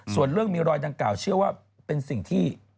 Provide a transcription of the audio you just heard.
ส่วนเรื่องมีรอยดังกล่าเชื่อว่าเป็นสิ่งที่